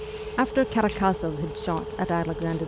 After Karak6zoff had shot at Alexander II.